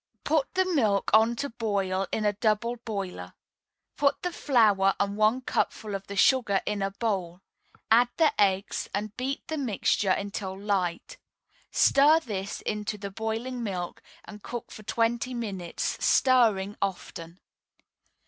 Put the milk on to boil in a double boiler. Put the flour and one cupful of the sugar in a bowl; add the eggs, and beat the mixture until light. Stir this into the boiling milk, and cook for twenty minutes, stirring often.